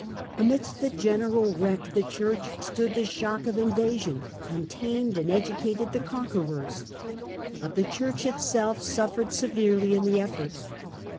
Amidst the general wreck the Church stood the shock of invasion, and tamed and educated the conquerors. But the Church itself suffered severely in the effort.